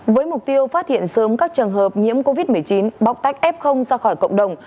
với mục tiêu phát hiện sớm các trường hợp nhiễm covid một mươi chín bóc tách f ra khỏi cộng đồng